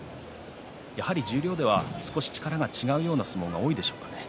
やはり十両では少し力が違うような相撲が多いでしょうか。